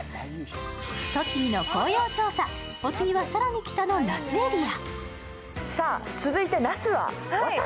栃木の紅葉調査、お次は更に北の那須エリア。